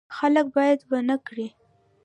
خلک باید ونې وکري.